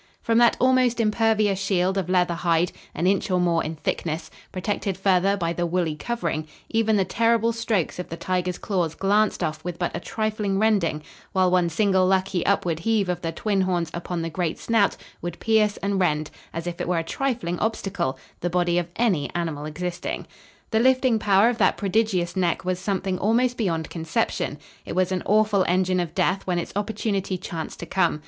From that almost impervious shield of leather hide, an inch or more in thickness, protected further by the woolly covering, even the terrible strokes of the tiger's claws glanced off with but a trifling rending, while one single lucky upward heave of the twin horns upon the great snout would pierce and rend, as if it were a trifling obstacle, the body of any animal existing. The lifting power of that prodigious neck was something almost beyond conception. It was an awful engine of death when its opportunity chanced to come.